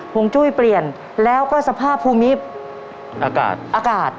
วงจุ้ยเปลี่ยนแล้วก็สภาพภูมิอากาศอากาศ